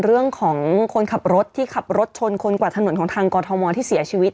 เรื่องของคนขับรถที่ขับรถชนคนกวาดถนนของทางกอทมที่เสียชีวิต